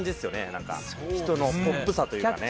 何か人のポップさというかね。